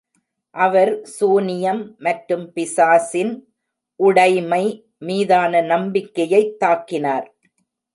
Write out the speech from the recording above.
அவர் சூனியம் மற்றும் பிசாசின் "உடைமை" மீதான நம்பிக்கையைத் தாக்கினார்.